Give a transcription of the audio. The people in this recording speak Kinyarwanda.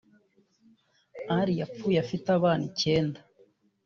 Ali yapfuye afite abana icyenda